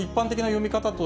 読み方を？